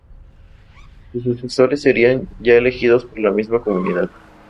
Sus sucesores serían ya elegidos por la misma comunidad.